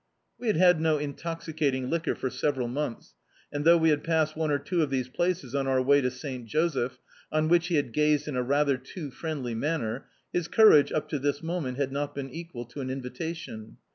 We had had no intoxicating liquor for several months, and, thou^ we had passed one or two of these places on our way to St. Joseph, on which he had gazed in a rather too friendly manner, his cour age, up to this moment, had not been equal to an invitation.